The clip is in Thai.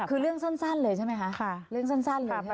คือเรื่องสั้นสั้นเลยใช่ไหมคะค่ะเรื่องสั้นสั้นเลยใช่ไหมค่ะ